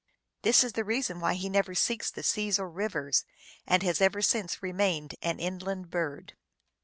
This is the reason why he never seeks the sea or rivers, and has ever since remained an inland bird.